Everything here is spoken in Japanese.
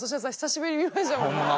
ホンマ？